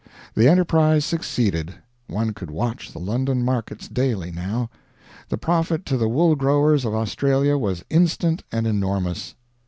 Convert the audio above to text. The enterprise succeeded. One could watch the London markets daily, now; the profit to the wool growers of Australia was instant and enormous.